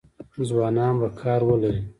ځوانان به کار ولري؟